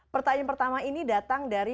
pertanyaan pertama ini datang dari